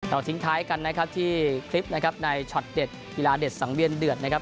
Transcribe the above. ทิ้งท้ายกันนะครับที่คลิปนะครับในช็อตเด็ดกีฬาเด็ดสังเวียนเดือดนะครับ